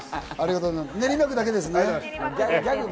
練馬区だけですね？